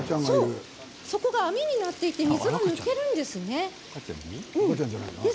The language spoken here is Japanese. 底が網になっていて水が抜けるんですね。